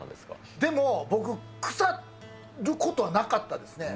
でも僕、腐ることなかったですね。